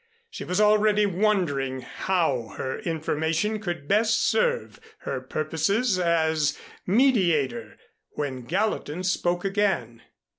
She was already wondering how her information could best serve her purposes as mediator when Gallatin spoke again.